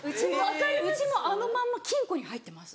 うちもあのまんま金庫に入ってます